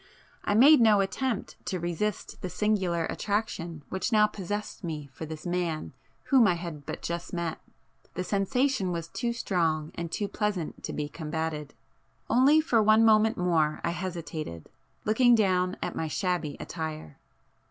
I made no attempt to resist the singular attraction which now possessed me for this man whom I had but just met,—the sensation was too strong and too pleasant to be combated. Only for one moment more I hesitated, looking down at my shabby attire.